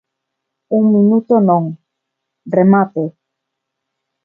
Un minuto non, remate.